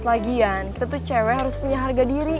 selagian kita tuh cewek harus punya harga diri